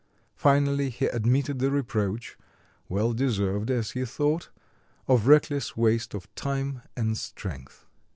Finally he admitted the reproach well deserved as he thought of reckless waste of time and strength.